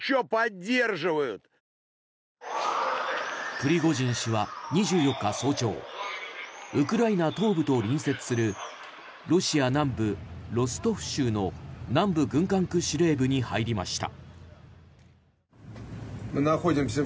プリゴジン氏は２４日早朝ウクライナ東部と隣接するロシア南部ロストフ州の南部軍管区司令部に入りました。